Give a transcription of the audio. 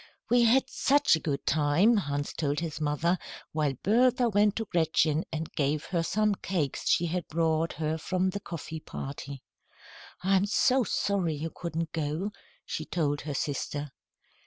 "We had such a good time," Hans told his mother, while Bertha went to Gretchen and gave her some cakes she had brought her from the coffee party. "I'm so sorry you couldn't go," she told her sister.